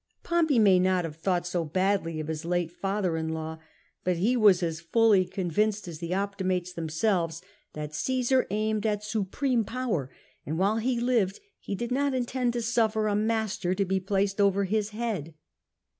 Pompey may not have thought so badly of his late father in law ; but he was as fully convinced as the Optimates themselves that Cmsar aimed at supreme power, and while he lived he did not intend to suifer a master to be placed over his head.